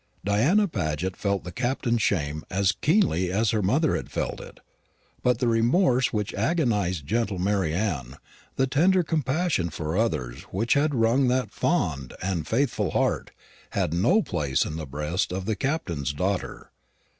Diana Paget felt the Captain's shame as keenly as her mother had felt it; but the remorse which had agonised gentle Mary Anne, the tender compassion for others which had wrung that fond and faithful heart, had no place in the breast of the Captain's daughter.